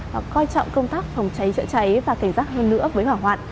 họ coi trọng công tác phòng cháy chữa cháy và cảnh giác hơn nữa với hỏa hoạn